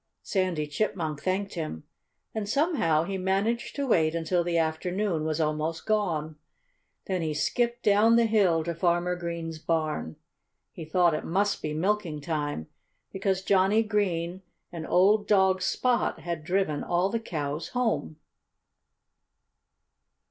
Sandy Chipmunk thanked him. And somehow he managed to wait until the afternoon was almost gone. Then he skipped down the hill to Farmer Green's barn. He thought it must be milking time, because Johnnie Green and old dog Spot had driven all the cows home.